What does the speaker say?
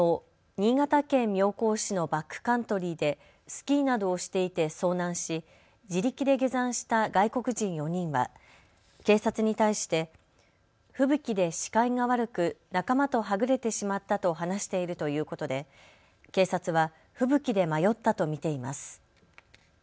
新潟県妙高市のバックカントリーでスキーなどをしていて遭難し自力で下山した外国人４人は警察に対して吹雪で視界が悪く仲間とはぐれてしまったと話しているということで警察は吹雪で迷ったと見ています。